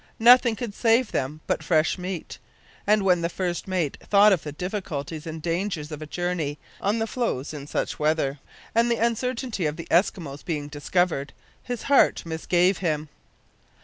Nothing could save them but fresh meat, and when the first mate thought of the difficulties and dangers of a journey on the floes in such weather, and the uncertainty of the Eskimos being discovered, his heart misgave him.